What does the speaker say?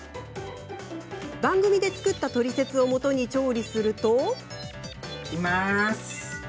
番組で作ったトリセツをもとに調理すると。